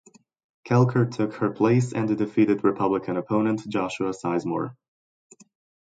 Kelker took her place and defeated Republican opponent Joshua Sizemore.